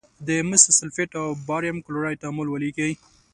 د مسو سلفیټ او باریم کلورایډ تعامل ولیکئ.